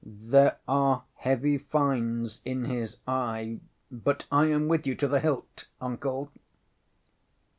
There are heavy fines in his eye, but I am with you to the hilt, Uncle!